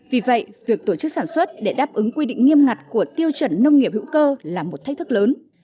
vì vậy việc tổ chức sản xuất để đáp ứng quy định nghiêm ngặt của tiêu chuẩn nông nghiệp hữu cơ là một thách thức lớn